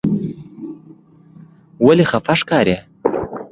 ولې خپه ښکارې؟